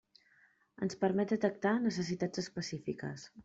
Ens permet detectar necessitats específiques.